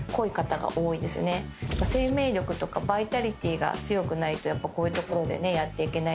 生命力とかバイタリティーが強くないとこういうところでねやっていけないのもあるし。